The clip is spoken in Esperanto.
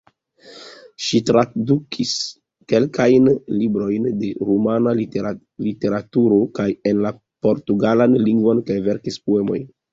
Ŝi tradukis kelkajn librojn de rumana literaturo en la portugalan lingvon kaj verkis poemojn.